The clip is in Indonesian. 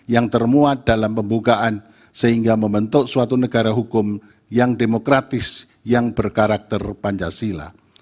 yang termuat dalam pembukaan sehingga membentuk suatu negara hukum yang demokratis yang berkarakter pancasila